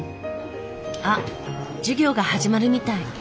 あっ授業が始まるみたい。